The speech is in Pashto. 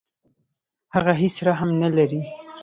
هغه هیڅ رحم نه لري.